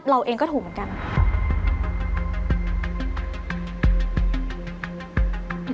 เราเองก็ถูกเหมือนกัน